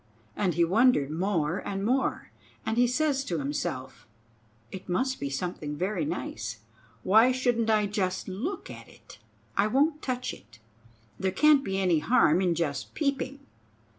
And he wondered more and more, and he says to himself: "It must be something very nice. Why shouldn't I just look at it? I won't touch it. There can't be any harm in just peeping."